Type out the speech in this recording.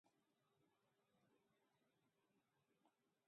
Si d'algú et vols revenjar, has de callar.